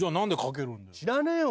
知らねえよ。